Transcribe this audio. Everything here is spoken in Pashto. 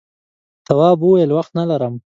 تواب وویل وخت نه لرم.